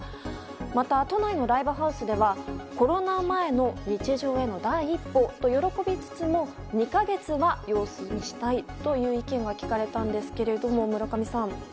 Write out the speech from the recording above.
また、都内のライブハウスではコロナ前の日常への第一歩と喜びつつも、２か月は様子見したいという意見が聞かれたんですけど村上さん。